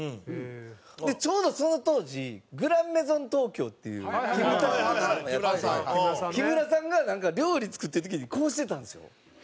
ちょうどその当時『グランメゾン東京』っていうキムタクのドラマやってて木村さんが料理作ってる時にこうしてたんですよ。